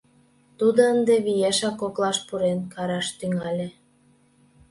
Тудо ынде, виешак коклаш пурен, караш тӱҥале.